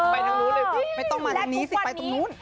ไปทางนู้นเลยไม่ต้องมาทางนี้สิไปตรงนู้น